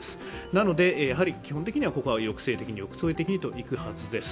なので、基本的にはここは抑制的に抑制的にといくはずです。